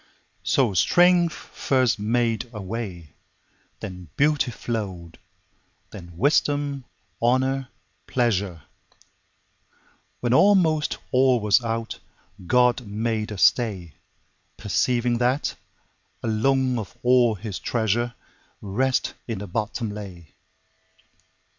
So strength first made a way, Then beauty flow'd, then wisdom, honour, pleasure; When almost all was out, God made a stay, Perceiving that, alone of all His treasure, Rest in the bottom lay.